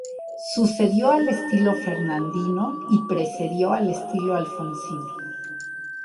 Sucedió al estilo fernandino y precedió al estilo alfonsino.